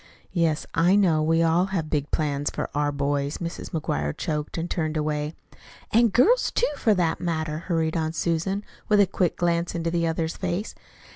"Yes, I know. We all have big plans for our boys." Mrs. McGuire choked and turned away. "An' girls, too, for that matter," hurried on Susan, with a quick glance into the other's face.